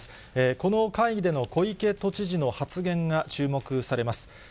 この会議での小池都知事の発言が注目されます。